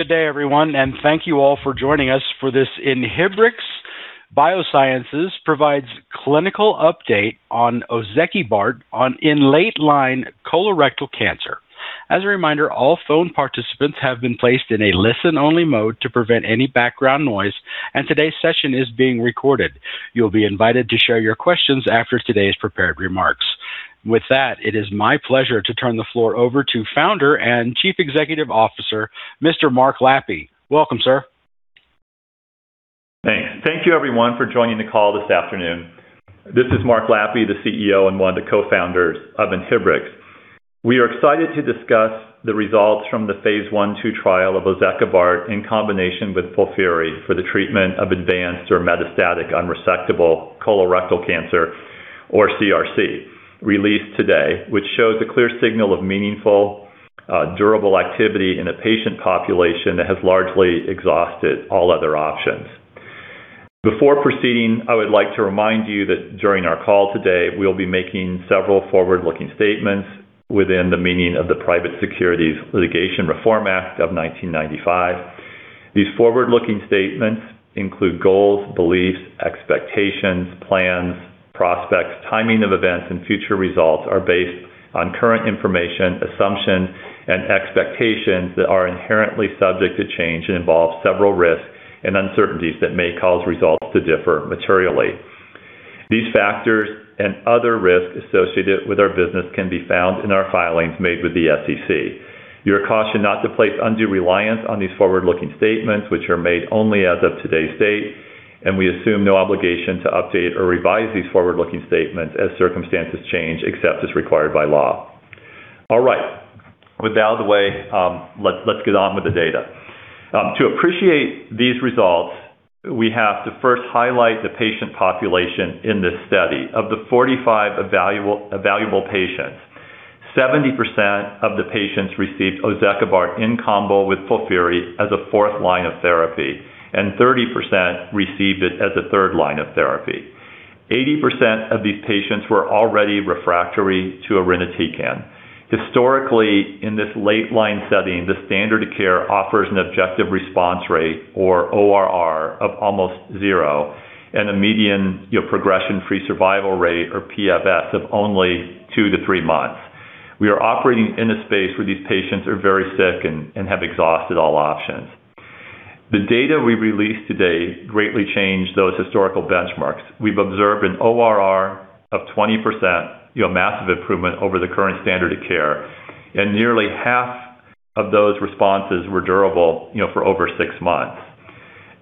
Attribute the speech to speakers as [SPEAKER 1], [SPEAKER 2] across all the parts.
[SPEAKER 1] Good day everyone, and thank you all for joining us for this Inhibrx Biosciences provides clinical update on ozekibart in late-line colorectal cancer. As a reminder, all phone participants have been placed in a listen-only mode to prevent any background noise, and today's session is being recorded. You'll be invited to share your questions after today's prepared remarks. With that, it is my pleasure to turn the floor over to Founder and Chief Executive Officer, Mr. Mark Lappe. Welcome, sir.
[SPEAKER 2] Thanks. Thank you everyone for joining the call this afternoon. This is Mark Lappe, the CEO and one of the co-founders of Inhibrx. We are excited to discuss the results from the phase I/II trial of ozekibart in combination with FOLFIRI for the treatment of advanced or metastatic unresectable colorectal cancer, or CRC, released today, which shows a clear signal of meaningful, durable activity in a patient population that has largely exhausted all other options. Before proceeding, I would like to remind you that during our call today, we'll be making several forward-looking statements within the meaning of the Private Securities Litigation Reform Act of 1995. These forward-looking statements include goals, beliefs, expectations, plans, prospects, timing of events, and future results are based on current information, assumptions, and expectations that are inherently subject to change and involve several risks and uncertainties that may cause results to differ materially. These factors and other risks associated with our business can be found in our filings made with the SEC. You are cautioned not to place undue reliance on these forward-looking statements, which are made only as of today's date, and we assume no obligation to update or revise these forward-looking statements as circumstances change except as required by law. All right. With that out of the way, let's get on with the data. To appreciate these results, we have to first highlight the patient population in this study. Of the 45 evaluable patients, 70% of the patients received ozekibart in combo with FOLFIRI as a fourth line of therapy, and 30% received it as a third line of therapy. 80% of these patients were already refractory to irinotecan. Historically, in this late-line setting, the standard of care offers an objective response rate, or ORR, of almost zero, and a median progression-free survival rate, or PFS, of only two to three months. We are operating in a space where these patients are very sick and have exhausted all options. The data we released today greatly change those historical benchmarks. We've observed an ORR of 20%, massive improvement over the current standard of care, and nearly half of those responses were durable for over six months.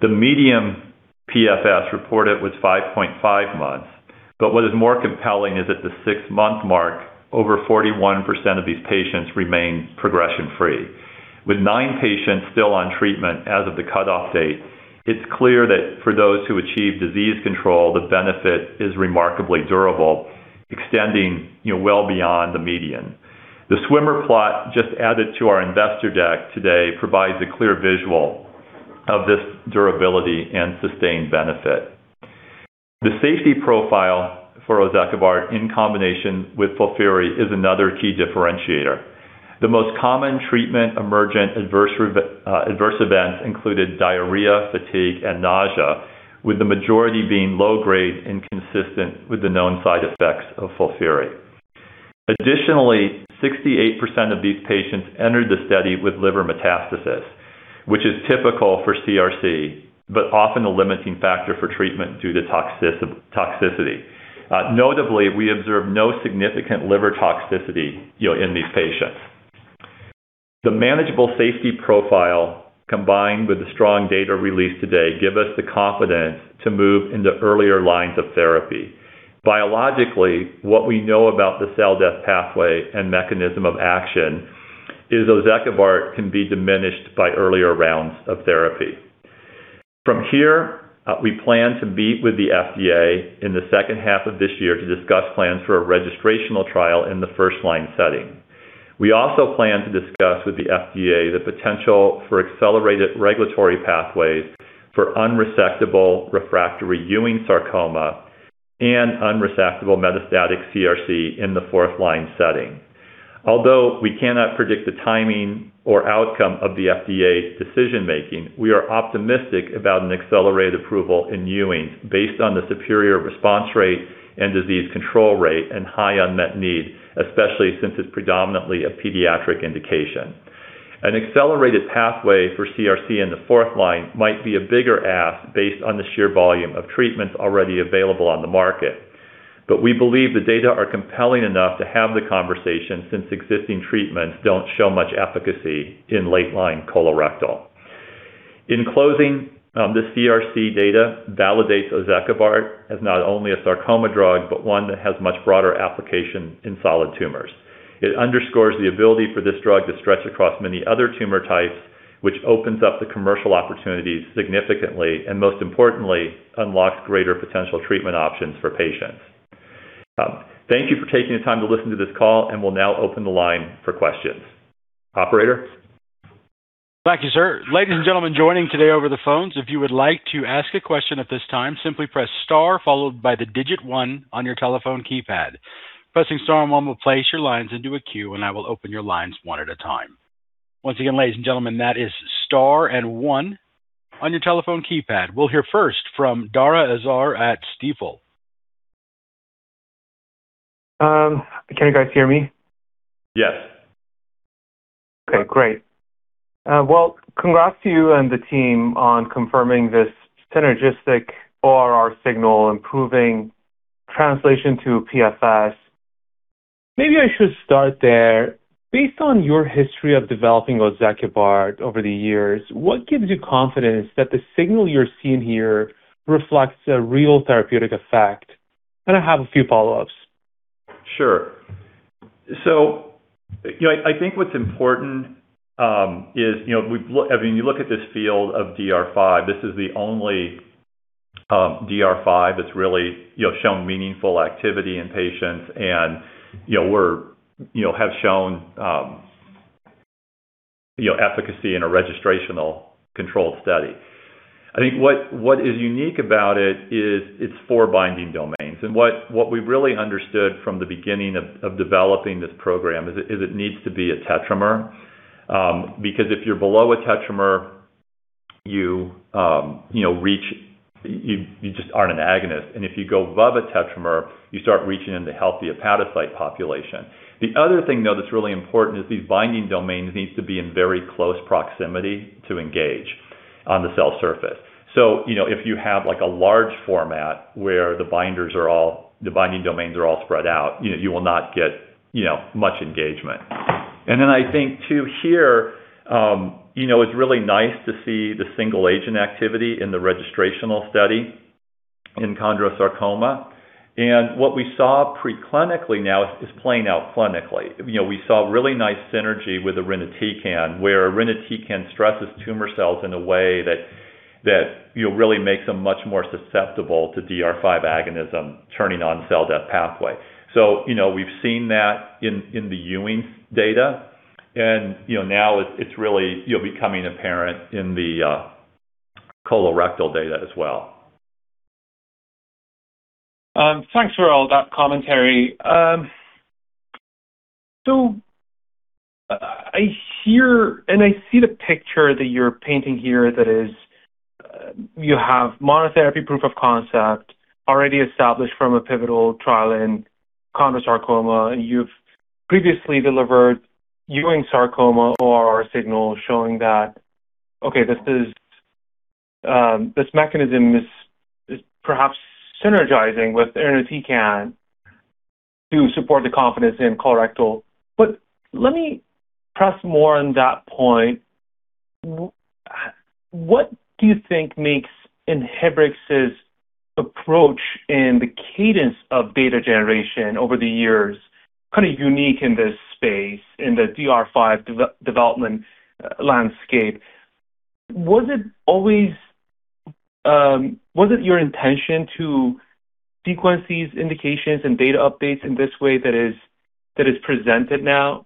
[SPEAKER 2] The median PFS reported was 5.5 months, but what is more compelling is at the six-month mark, over 41% of these patients remain progression-free. With nine patients still on treatment as of the cutoff date, it's clear that for those who achieve disease control, the benefit is remarkably durable, extending well beyond the median. The swimmer plot just added to our investor deck today provides a clear visual of this durability and sustained benefit. The safety profile for ozekibart in combination with FOLFIRI is another key differentiator. The most common treatment-emergent adverse events included diarrhea, fatigue, and nausea, with the majority being low-grade and consistent with the known side effects of FOLFIRI. Additionally, 68% of these patients entered the study with liver metastasis, which is typical for CRC, but often a limiting factor for treatment due to toxicity. Notably, we observed no significant liver toxicity in these patients. The manageable safety profile combined with the strong data released today give us the confidence to move into earlier lines of therapy. Biologically, what we know about the cell death pathway and mechanism of action is ozekibart can be diminished by earlier rounds of therapy. From here, we plan to meet with the FDA in the second half of this year to discuss plans for a registrational trial in the first-line setting. We also plan to discuss with the FDA the potential for accelerated regulatory pathways for unresectable refractory Ewing sarcoma and unresectable metastatic CRC in the fourth-line setting. Although we cannot predict the timing or outcome of the FDA's decision-making, we are optimistic about an accelerated approval in Ewing based on the superior response rate and disease control rate and high unmet need, especially since it's predominantly a pediatric indication. An accelerated pathway for CRC in the fourth line might be a bigger ask based on the sheer volume of treatments already available on the market. We believe the data are compelling enough to have the conversation since existing treatments don't show much efficacy in late-line colorectal. In closing, this CRC data validates ozekibart as not only a sarcoma drug, but one that has much broader application in solid tumors. It underscores the ability for this drug to stretch across many other tumor types, which opens up the commercial opportunities significantly and most importantly, unlocks greater potential treatment options for patients. Thank you for taking the time to listen to this call, and we'll now open the line for questions. Operator?
[SPEAKER 1] Thank you, sir. Ladies and gentlemen joining today over the phones, if you would like to ask a question at this time, simply press star followed by the digit one on your telephone keypad. Pressing star one will place your lines into a queue, and I will open your lines one at a time. Once again, ladies and gentlemen, that is star and one on your telephone keypad. We'll hear first from Dara Azar at Stifel.
[SPEAKER 3] Can you guys hear me?
[SPEAKER 2] Yes.
[SPEAKER 3] Okay, great. Well, congrats to you and the team on confirming this synergistic ORR signal, improving translation to PFS. Maybe I should start there. Based on your history of developing ozekibart over the years, what gives you confidence that the signal you're seeing here reflects a real therapeutic effect? Then I have a few follow-ups.
[SPEAKER 2] Sure. I think what's important is, when you look at this field of DR5, this is the only DR5 that's really shown meaningful activity in patients, and have shown efficacy in a registrational controlled study. I think what is unique about its four binding domains and what we've really understood from the beginning of developing this program is it needs to be a tetramer, because if you're below a tetramer, you just aren't an agonist. If you go above a tetramer, you start reaching into healthy hepatocyte population. The other thing, though, that's really important is these binding domains needs to be in very close proximity to engage on the cell surface. If you have a large format where the binding domains are all spread out, you will not get much engagement. I think, too, here, it's really nice to see the single-agent activity in the registrational study in Chondrosarcoma. What we saw pre-clinically now is playing out clinically. We saw really nice synergy with irinotecan, where irinotecan stresses tumor cells in a way that really makes them much more susceptible to DR5 agonism turning on cell death pathway. We've seen that in the Ewing data, and now it's really becoming apparent in the colorectal data as well.
[SPEAKER 3] Thanks for all that commentary. I hear and I see the picture that you're painting here, that is you have monotherapy proof of concept already established from a pivotal trial in chondrosarcoma. You've previously delivered Ewing sarcoma ORR signal showing that, okay, this mechanism is perhaps synergizing with irinotecan to support the confidence in colorectal. Let me press more on that point. What do you think makes Inhibrx's approach and the cadence of data generation over the years kind of unique in this space, in the DR5 development landscape? Was it your intention to sequence these indications and data updates in this way that is presented now?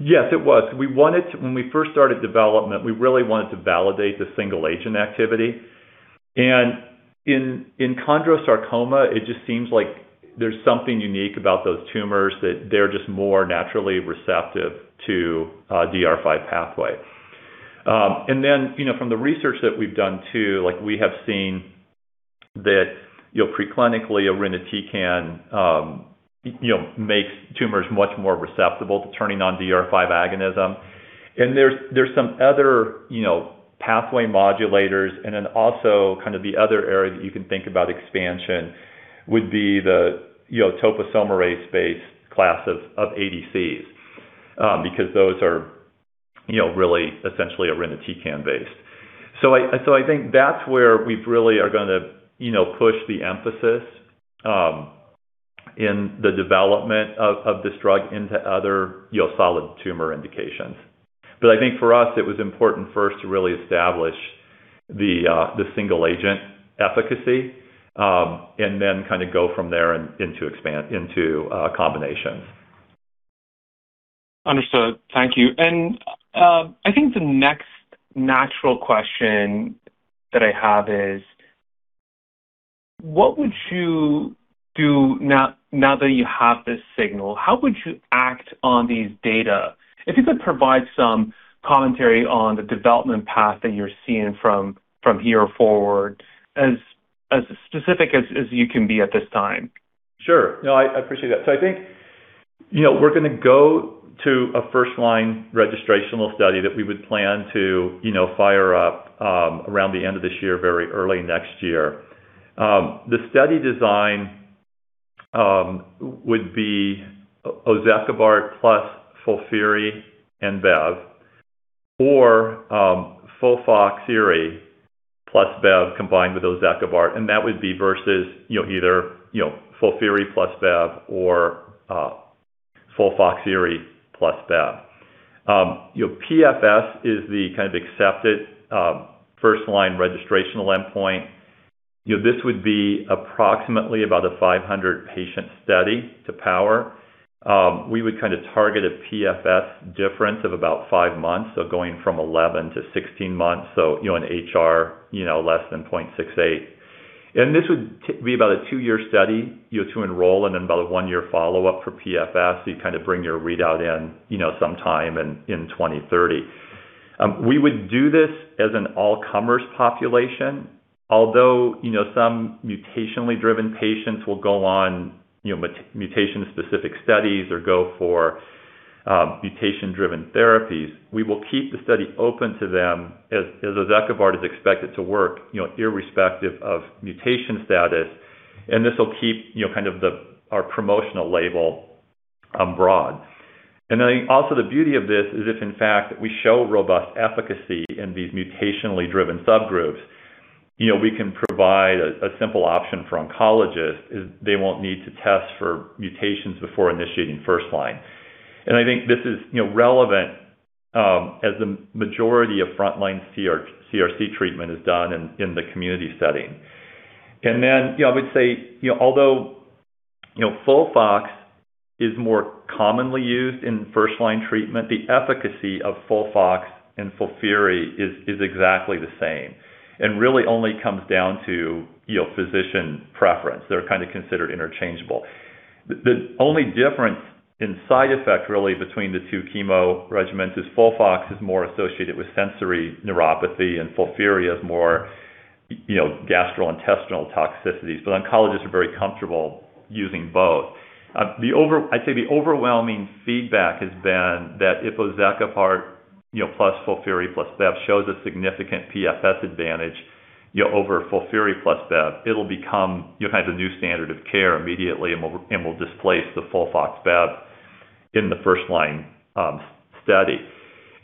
[SPEAKER 2] Yes, it was. When we first started development, we really wanted to validate the single-agent activity. In chondrosarcoma, it just seems like there's something unique about those tumors that they're just more naturally receptive to DR5 pathway. Then, from the research that we've done, too, we have seen that pre-clinically, irinotecan makes tumors much more susceptible to turning on DR5 agonism. There's some other pathway modulators, and then also kind of the other area that you can think about expansion would be the topoisomerase-based class of ADCs because those are really essentially irinotecan based. I think that's where we really are going to push the emphasis in the development of this drug into other solid tumor indications. I think for us, it was important first to really establish the single-agent efficacy and then go from there into combinations.
[SPEAKER 3] Understood. Thank you. I think the next natural question that I have is, what would you do now that you have this signal? How would you act on these data? If you could provide some commentary on the development path that you're seeing from here forward, as specific as you can be at this time.
[SPEAKER 2] Sure. No, I appreciate that. I think we're going to go to a first-line registrational study that we would plan to fire up around the end of this year, very early next year. The study design would be ozekibart plus FOLFIRI and bev, or FOLFOXIRI plus bev combined with ozekibart, and that would be versus either FOLFIRI plus bev or FOLFOXIRI plus bev. PFS is the kind of accepted first-line registrational endpoint. This would be approximately about a 500-patient study to power. We would kind of target a PFS difference of about five months, so going from 11-16 months, so an HR less than 0.68. This would be about a two-year study to enroll and then about a one-year follow-up for PFS. You kind of bring your readout in sometime in 2030. We would do this as an all-comers population. Although some mutationally driven patients will go on mutation-specific studies or go for mutation-driven therapies, we will keep the study open to them as ozekibart is expected to work irrespective of mutation status. This will keep our promotional label broad. Also the beauty of this is if, in fact, we show robust efficacy in these mutationally driven subgroups, we can provide a simple option for oncologists as they won't need to test for mutations before initiating first-line. I think this is relevant as the majority of front-line CRC treatment is done in the community setting. I would say, although FOLFOX is more commonly used in first-line treatment, the efficacy of FOLFOX and FOLFIRI is exactly the same and really only comes down to physician preference. They're kind of considered interchangeable. The only difference in side effect really between the two chemo regimens is FOLFOX is more associated with sensory neuropathy and FOLFIRI is more gastrointestinal toxicities. Oncologists are very comfortable using both. I'd say the overwhelming feedback has been that if ozekibart plus FOLFIRI plus bev shows a significant PFS advantage over FOLFIRI plus bev, it'll become kind of the new standard of care immediately and will displace the FOLFOX bev in the first-line study.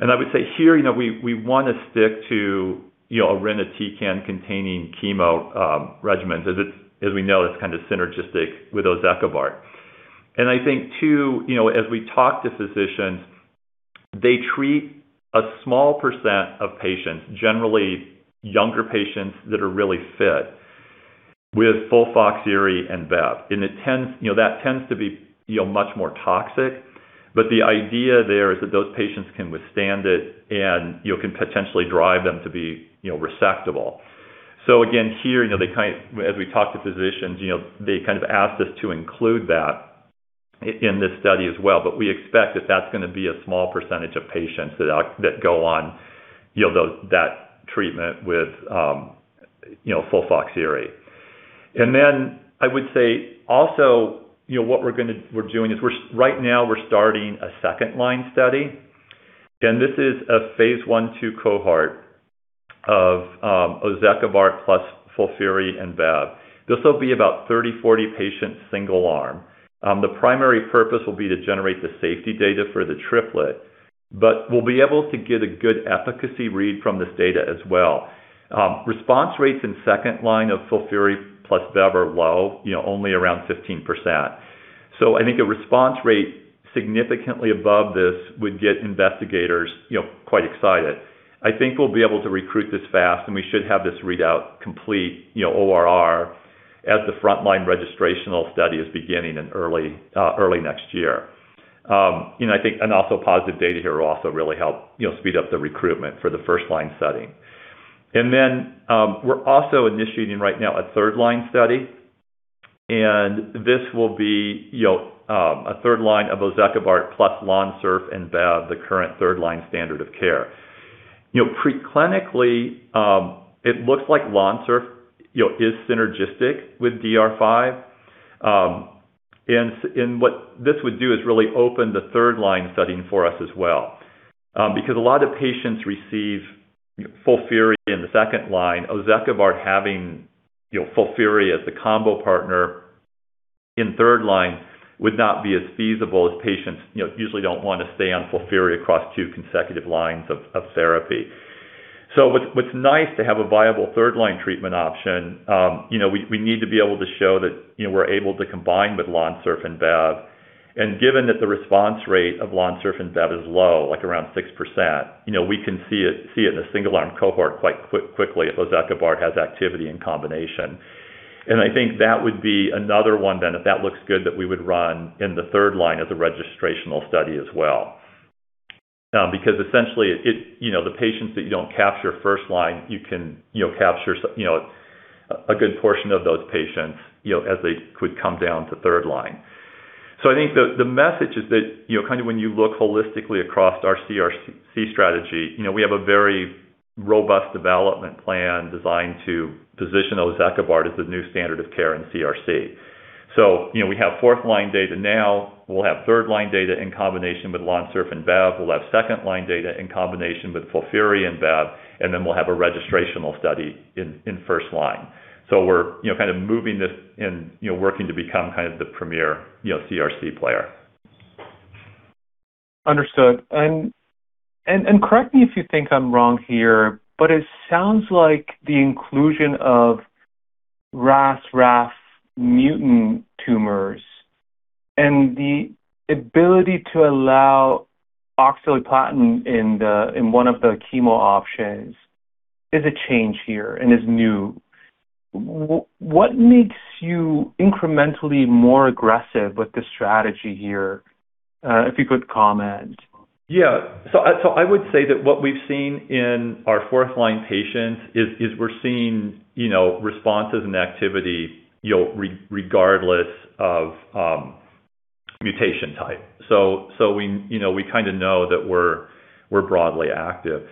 [SPEAKER 2] I would say here we want to stick to, you know, irinotecan-containing chemo regimen, as we know it's kind of synergistic with ozekibart. I think too as we talk to physicians, they treat a small % of patients, generally younger patients that are really fit, with FOLFOXIRI and bev. That tends to be much more toxic. The idea there is that those patients can withstand it and can potentially drive them to be resectable. Again, here as we talk to physicians they kind of ask us to include that in this study as well, but we expect that that's going to be a small percentage of patients that go on that treatment with FOLFOXIRI. I would say also what we're doing is right now we're starting a second-line study, and this is a phase I/II cohort of ozekibart plus FOLFIRI and bev. This will be about 30-40 patients single arm. The primary purpose will be to generate the safety data for the triplet, but we'll be able to get a good efficacy read from this data as well. Response rates in second-line of FOLFIRI plus bev are low, only around 15%. I think a response rate significantly above this would get investigators quite excited. I think we'll be able to recruit this fast and we should have this readout complete ORR as the front-line registrational study is beginning in early next year. Positive data here will also really help speed up the recruitment for the first-line setting. We're also initiating right now a third-line study, and this will be a third line of ozekibart plus Lonsurf and bev, the current third-line standard of care. Pre-clinically, it looks like Lonsurf is synergistic with DR5, and what this would do is really open the third-line setting for us as well. Because a lot of patients receive FOLFIRI in the second line, ozekibart having FOLFIRI as the combo partner in third line would not be as feasible as patients usually don't want to stay on FOLFIRI across two consecutive lines of therapy. What's nice to have a viable third-line treatment option, we need to be able to show that we're able to combine with Lonsurf and bev, and given that the response rate of Lonsurf and bev is low, like around 6%, we can see it in a single-arm cohort quite quickly if ozekibart has activity in combination. I think that would be another one then if that looks good that we would run in the third line of the registrational study as well. Because essentially the patients that you don't capture first line, you can capture a good portion of those patients as they could come down to third line. I think the message is that kind of when you look holistically across our CRC strategy we have a very robust development plan designed to position ozekibart as the new standard of care in CRC. We have fourth-line data now, we'll have third-line data in combination with Lonsurf and bev. We'll have second-line data in combination with FOLFIRI and bev, and then we'll have a registrational study in first line. We're kind of moving this and working to become kind of the premier CRC player.
[SPEAKER 3] Understood. Correct me if you think I'm wrong here, but it sounds like the inclusion of RAS/RAF mutant tumors and the ability to allow oxaliplatin in one of the chemo options is a change here and is new. What makes you incrementally more aggressive with the strategy here? If you could comment.
[SPEAKER 2] Yeah. I would say that what we've seen in our fourth-line patients is we're seeing responses and activity, regardless of mutation type. We kind of know that we're broadly active.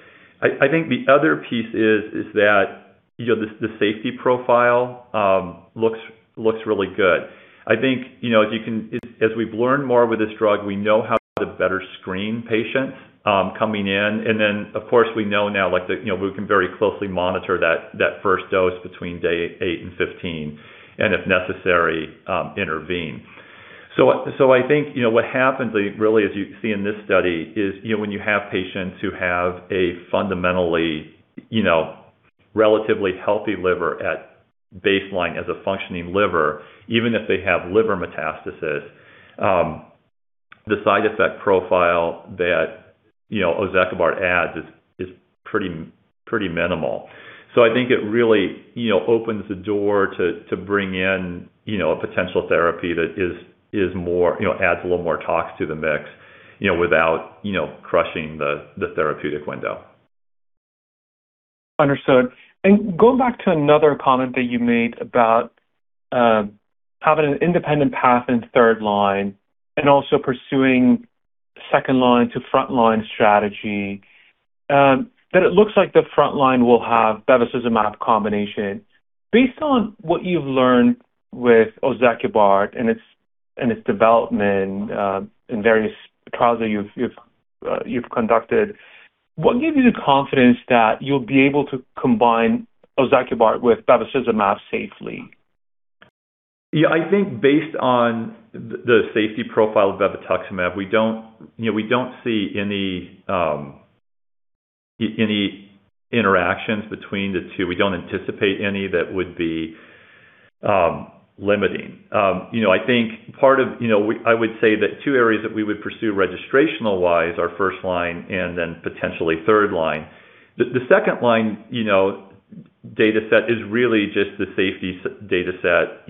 [SPEAKER 2] I think the other piece is that the safety profile looks really good. I think, as we've learned more with this drug, we know how to better screen patients coming in, and then, of course, we know now we can very closely monitor that first dose between day eight and 15, and if necessary, intervene. I think what happens really as you see in this study is when you have patients who have a fundamentally relatively healthy liver at baseline as a functioning liver, even if they have liver metastasis, the side effect profile that ozekibart adds is pretty minimal. I think it really opens the door to bring in a potential therapy that adds a little more tox to the mix, without crushing the therapeutic window.
[SPEAKER 3] Understood. Going back to another comment that you made about having an independent path in third line and also pursuing second-line to front-line strategy, that it looks like the front line will have bevacizumab combination. Based on what you've learned with ozekibart and its development in various trials that you've conducted, what gives you the confidence that you'll be able to combine ozekibart with bevacizumab safely?
[SPEAKER 2] Yeah. I think based on the safety profile of bevacizumab, we don't see any interactions between the two. We don't anticipate any that would be limiting. I would say that two areas that we would pursue registrational-wise are first-line and then potentially third-line. The second-line dataset is really just the safety dataset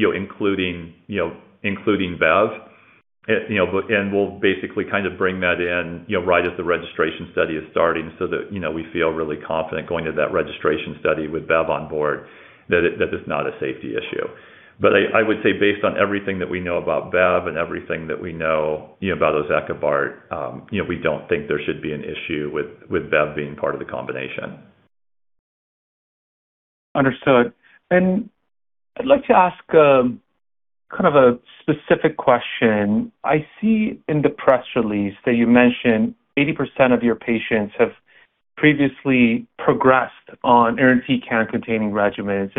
[SPEAKER 2] including bev, and we'll basically bring that in right as the registration study is starting so that we feel really confident going to that registration study with bev on board that it's not a safety issue. I would say based on everything that we know about bev and everything that we know about ozekibart, we don't think there should be an issue with bev being part of the combination.
[SPEAKER 3] Understood. I'd like to ask kind of a specific question. I see in the press release that you mentioned 80% of your patients have previously progressed on irinotecan containing regimens.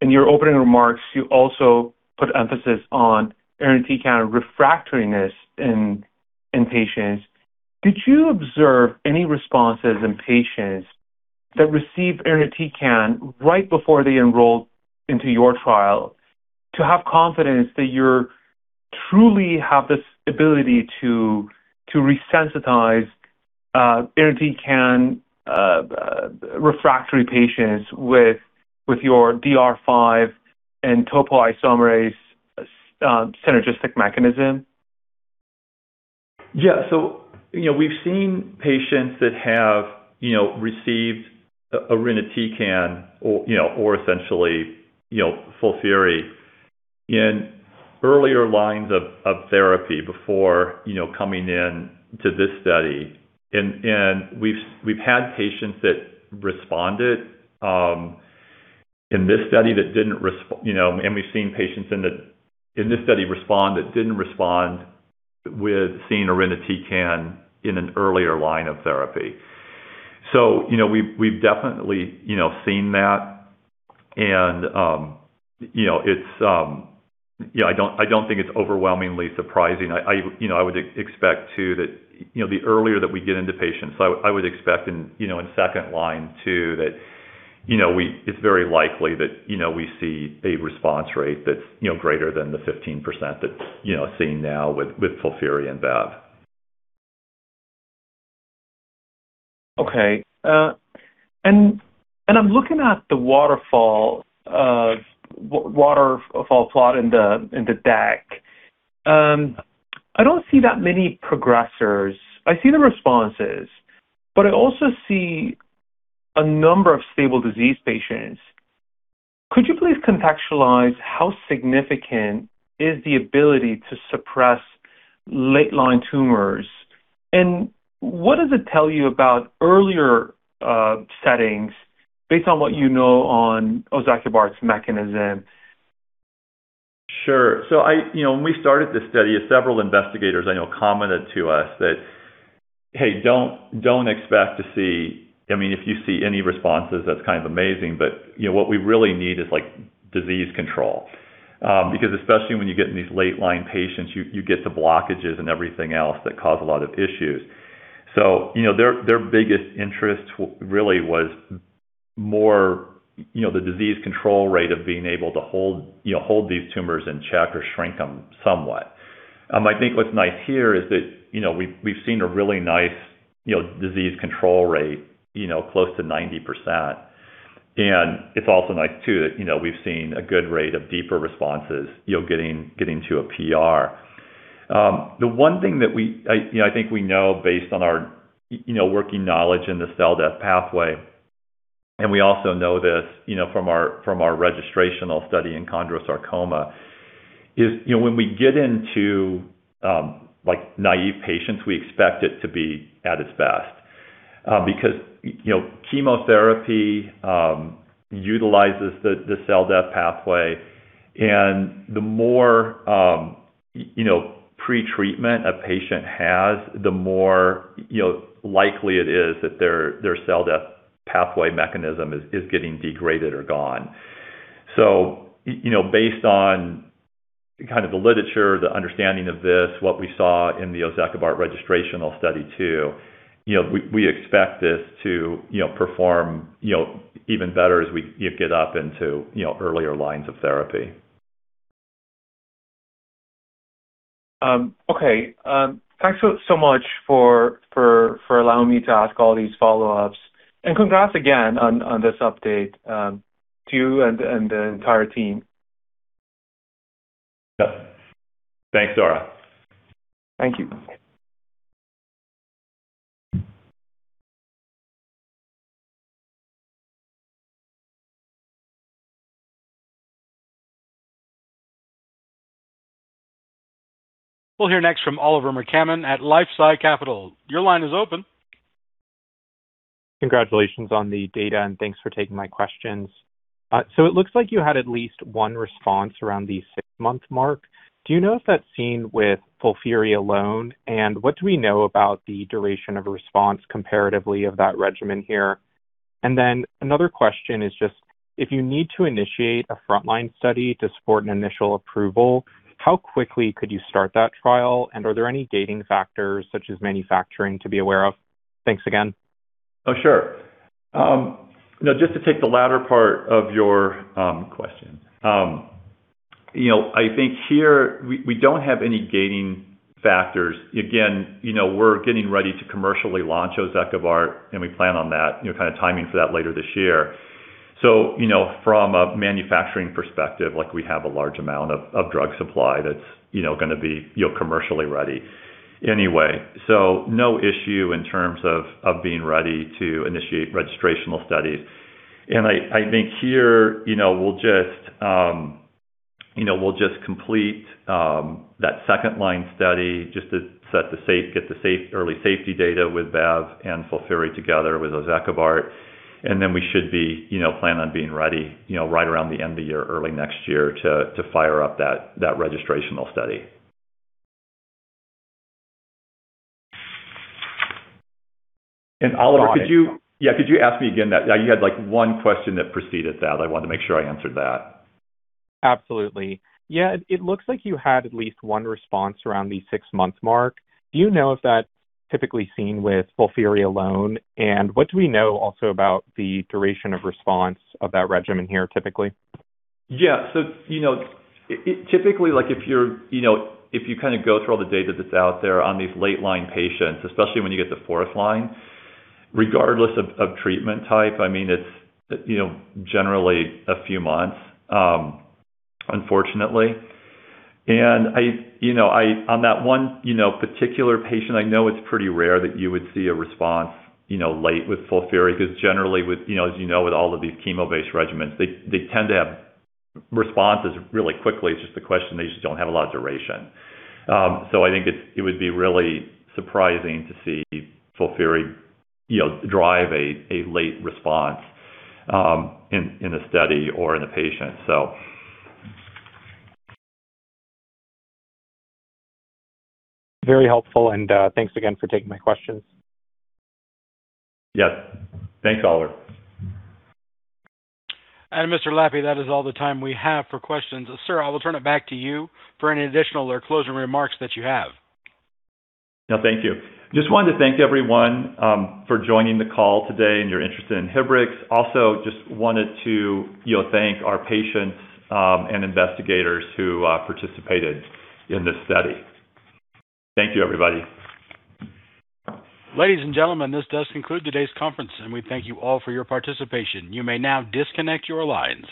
[SPEAKER 3] In your opening remarks, you also put emphasis on irinotecan refractoriness in patients. Did you observe any responses in patients that received irinotecan right before they enrolled into your trial to have confidence that you truly have the ability to resensitize irinotecan refractory patients with your DR5 and topoisomerase synergistic mechanism?
[SPEAKER 2] Yeah. We've seen patients that have received irinotecan or essentially FOLFIRI in earlier lines of therapy before coming in to this study. We've had patients that responded in this study and we've seen patients in this study respond that didn't respond to irinotecan in an earlier line of therapy. We've definitely seen that, and I don't think it's overwhelmingly surprising. The earlier that we get into patients, I would expect in second line too that it's very likely that we see a response rate that's greater than the 15% that's seen now with FOLFIRI and bev.
[SPEAKER 3] Okay. I'm looking at the waterfall plot in the deck. I don't see that many progressors. I see the responses, but I also see a number of stable disease patients. Could you please contextualize how significant is the ability to suppress late-line tumors, and what does it tell you about earlier settings based on what you know on ozekibart's mechanism?
[SPEAKER 2] Sure. When we started this study, several investigators I know commented to us that, "Hey, don't expect to see any responses, that's kind of amazing, but what we really need is disease control." Because especially when you get in these late-line patients, you get the blockages and everything else that cause a lot of issues. So their biggest interest really was more the disease control rate of being able to hold these tumors in check or shrink them somewhat. I think what's nice here is that we've seen a really nice disease control rate close to 90%. It's also nice too that we've seen a good rate of deeper responses, getting to a PR. The one thing that I think we know based on our working knowledge in the cell death pathway, and we also know this from our registrational study in Chondrosarcoma, is when we get into naive patients, we expect it to be at its best. Because chemotherapy utilizes the cell death pathway, and the more pre-treatment a patient has, the more likely it is that their cell death pathway mechanism is getting degraded or gone. Based on kind of the literature, the understanding of this, what we saw in the ozekibart registrational study too, we expect this to perform even better as we get up into earlier lines of therapy.
[SPEAKER 3] Okay. Thanks so much for allowing me to ask all these follow-ups. Congrats again on this update to you and the entire team.
[SPEAKER 2] Yeah. Thanks, Dara.
[SPEAKER 3] Thank you.
[SPEAKER 1] We'll hear next from Oliver McCammon at LifeSci Capital. Your line is open.
[SPEAKER 4] Congratulations on the data, and thanks for taking my questions. It looks like you had at least one response around the six-month mark. Do you know if that's seen with FOLFIRI alone? What do we know about the duration of response comparatively of that regimen here? Another question is just, if you need to initiate a frontline study to support an initial approval, how quickly could you start that trial? Are there any gating factors such as manufacturing to be aware of? Thanks again.
[SPEAKER 2] Oh, sure. Just to take the latter part of your question. I think here we don't have any gating factors. Again, we're getting ready to commercially launch ozekibart, and we plan on that, kind of timing for that later this year. From a manufacturing perspective, we have a large amount of drug supply that's going to be commercially ready anyway. No issue in terms of being ready to initiate registrational studies. I think here we'll just complete that second-line study just to get the early safety data with bev and FOLFIRI together with ozekibart, and then we should plan on being ready right around the end of the year, early next year to fire up that registrational study. Oliver, could you ask me again that. You had one question that preceded that. I wanted to make sure I answered that.
[SPEAKER 4] Absolutely. Yeah. It looks like you had at least one response around the six-month mark. Do you know if that's typically seen with FOLFIRI alone? What do we know also about the duration of response of that regimen here, typically?
[SPEAKER 2] Yeah. Typically, if you kind of go through all the data that's out there on these late-line patients, especially when you get to fourth line, regardless of treatment type, it's generally a few months, unfortunately. On that one particular patient, I know it's pretty rare that you would see a response late with FOLFIRI, because generally, as you know, with all of these chemo-based regimens, they tend to have responses really quickly. It's just the question, they just don't have a lot of duration. I think it would be really surprising to see FOLFIRI drive a late response in a study or in a patient.
[SPEAKER 4] Very helpful and thanks again for taking my questions.
[SPEAKER 2] Yes. Thanks, Oliver.
[SPEAKER 1] Mr. Lappe, that is all the time we have for questions. Sir, I will turn it back to you for any additional or closing remarks that you have.
[SPEAKER 2] No, thank you. Just wanted to thank everyone for joining the call today and your interest in Inhibrx. Also, just wanted to thank our patients and investigators who participated in this study. Thank you, everybody.
[SPEAKER 1] Ladies and gentlemen, this does conclude today's conference, and we thank you all for your participation. You may now disconnect your lines.